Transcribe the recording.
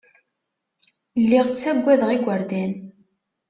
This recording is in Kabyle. Lliɣ ssagadeɣ igerdan.